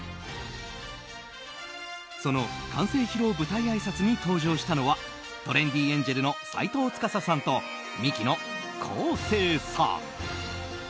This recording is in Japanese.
その完成披露舞台あいさつに登場したのはトレンディエンジェルの斎藤司さんとミキの昴生さん。